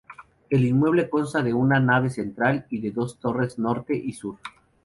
El inmueble consta de una nave central y de dos torres, norte y sur.